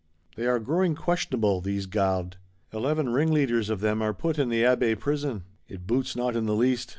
They are growing questionable, these Gardes! Eleven ring leaders of them are put in the Abbaye Prison. It boots not in the least.